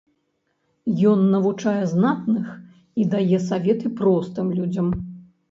Ён навучае знатных і дае саветы простым людзям.